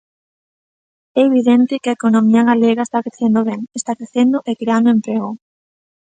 É evidente que a economía galega está crecendo ben, está crecendo e creando emprego.